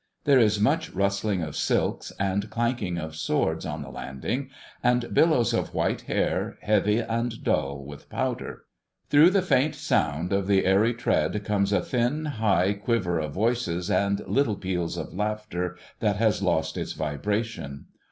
There is much rustling of silks and clanking of swords on the landing, and billows of white hair, heavy and dull with powder. Through the faint sound of the airy tread comes a thin, high quiver of voices and little peals of laughter that has lost its vibration.